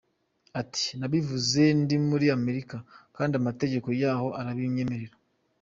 Ati: “Nabivuze ndi muri Amerika kandi amategeko yahoo arabinyemerera.”